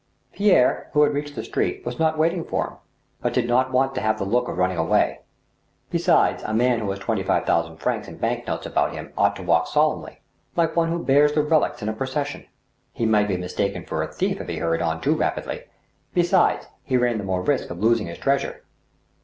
Pierre, who had reached the street, was not waiting for him, but did not want to have the look of running away. Besides, a man who has twenty five thousand francs in bank notes about him ought to walk solemnly, like one who bears the relics in a procession. He might be mistaken for a thief if he hurried on too rapidly; be sides, he ran the more risk of losing his treasure.